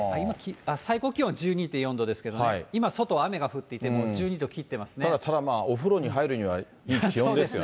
最高気温は１２．４度ですけどね、今、外は雨が降っていて、ただまあ、お風呂に入るにはいい気温ですよね。